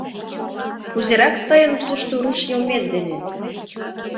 — Кузерак тыйын тушто руш йылмет дене?